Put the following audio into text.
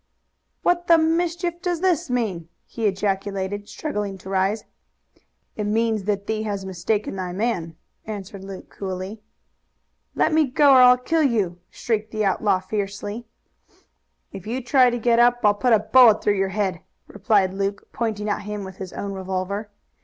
"What the mischief does this mean?" he ejaculated, struggling to rise. "It means that thee has mistaken thy man," answered Luke coolly. "Let me go or I'll kill you!" shrieked the outlaw fiercely. "If you try to get up I'll put a bullet through your head," replied Luke, pointing at him with his own revolver.